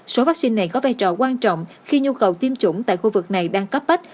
số vaccine này có vai trò quan trọng khi nhu cầu tiêm chủng tại khu vực này đang cấp bách